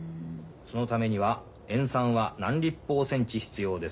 そのためには塩酸は何立方センチ必要ですか？